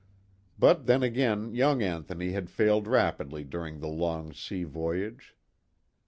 But then again young Anthony had failed rapidly during the long sea voyage.